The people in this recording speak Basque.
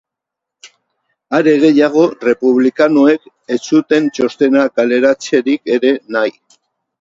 Are gehiago, republikanoek etzuten txostena kaleratzerik ere nahi.